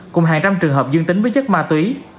cùng hàng trăm trường hợp dương tính với chất ma túy